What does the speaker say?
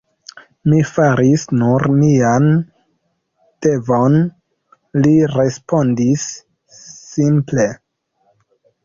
Mi faris nur mian devon, li respondis simple.